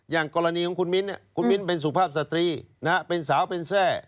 อย่างกรณีของคุณมิ้นอื้อเป็นสู่ภาพสตรีนะฮะเป็นสาวเป็นแซ่